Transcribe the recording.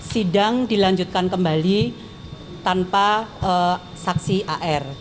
sidang dilanjutkan kembali tanpa saksi ar